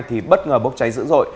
thì bất ngờ bốc cháy dữ dội